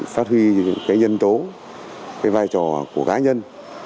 phát huy những cái nhân tố cái vai trò của cá nhân